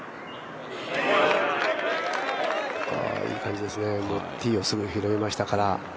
いい感じですね、ティーをすぐ拾いましたから。